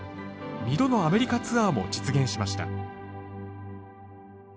２度のアメリカツアーも実現しました。